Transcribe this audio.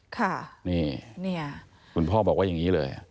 คุณพ่อบอกว่าอย่างนี้เลย